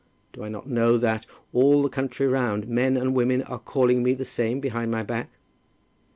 Do I not know that, all the country round, men and women are calling me the same behind my back?"